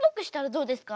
こうですか？